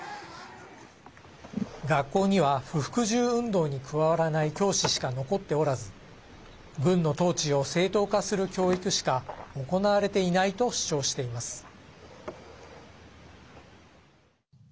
学校には不服従運動に加わらない教師しか残っておらず軍の統治を正当化する教育しか行われていないと主張しています。